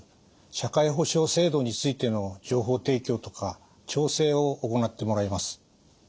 社会保障制度についての情報提供とか調整を行ってもらいます。